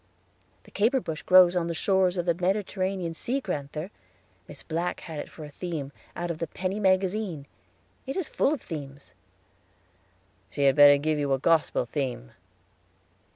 "The caper bush grows on the shores of the Mediterranean sea, Grand'ther. Miss Black had it for a theme, out of the Penny Magazine; it is full of themes." "She had better give you a gospel theme."